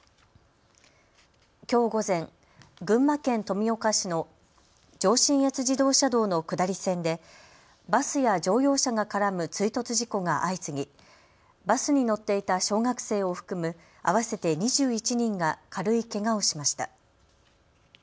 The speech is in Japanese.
きょう午前、群馬県富岡市の上信越自動車道の下り線でバスや乗用車が絡む追突事故が相次ぎバスに乗っていた小学生を含む合わせて２１人が軽いけがをしました。